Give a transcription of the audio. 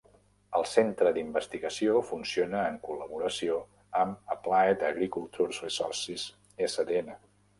El centre d'investigació funciona en col·laboració amb Applied Agricultural Resources SDN.